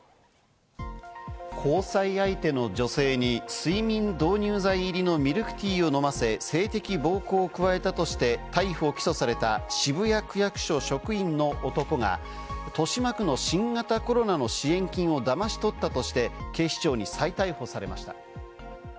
交際相手の女性に睡眠導入剤入りのミルクティーを飲ませ性的暴行を加えたとして逮捕・起訴された渋谷区役所職員の男が豊島区の新型コロナの支援金をだまし取ったとして、警視庁に再逮捕されました。